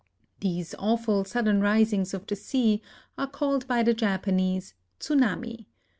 These awful sudden risings of the sea are called by the Japanese tsunami.